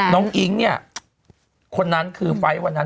อิ๊งเนี่ยคนนั้นคือไฟล์วันนั้น